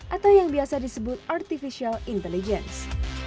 atau yang biasa disebut artificial intelligence